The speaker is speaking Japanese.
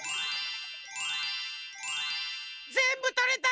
ぜんぶとれた！